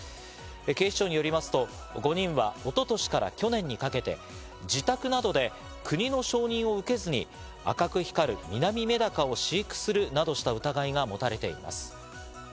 警視庁によりますと、５人は一昨年から去年にかけて、自宅などで国の承認を受けずに、赤く光るミナミメダカを飼育するなどした疑いが持たれています。